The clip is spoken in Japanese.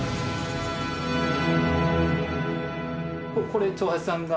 これ長八さんが。